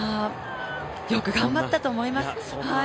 よく頑張ったと思います。